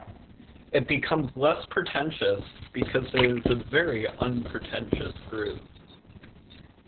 It becomes less pretentious because it is a very unpretentious groove.